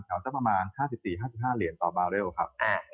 แถวสักประมาณ๕๔๕๕เหรียญต่อบาลได้หรือเปล่าครับ